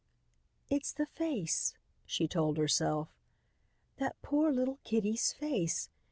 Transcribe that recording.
"It's the face," she told herself. "That poor little kiddie's face.